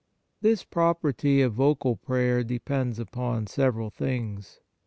This property of vocal prayer depends upon several things.